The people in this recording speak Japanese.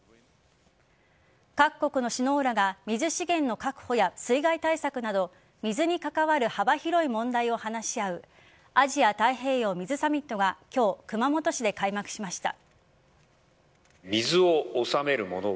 各国の首脳らが水資源の確保や水害対策など水に関わる幅広い問題を話し合うアジア・太平洋水サミットが今日、熊本市で開幕しました。